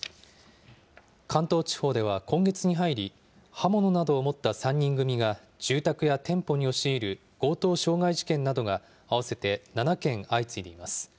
関東地方では、今月に入り、刃物などを持った３人組が住宅や店舗に押し入る強盗傷害事件などが合わせて７件相次いでいます。